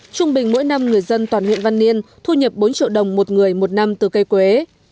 trung bình mỗi năm người dân toàn huyện văn yên thu nhập bốn triệu đồng một người một năm từ cây quế